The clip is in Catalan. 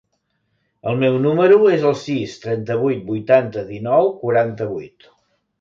El meu número es el sis, trenta-vuit, vuitanta, dinou, quaranta-vuit.